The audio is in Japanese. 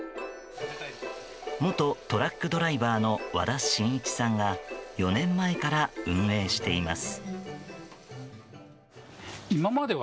元トラックドライバーの和田信一さんが４年前から運営しています。